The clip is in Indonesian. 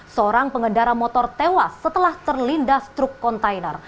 seorang pengendara motor tewas setelah terlindas truk kontainer